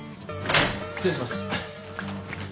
失礼します。